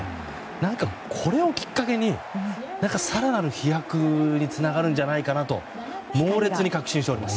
何か、これをきっかけに更なる飛躍につながるんじゃないかと猛烈に確信しております。